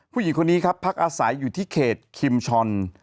ผู้หญิงคนนี้ครับพักอาศัยอยู่ที่เขตคิมชอน